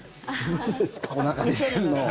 おなか見せるの。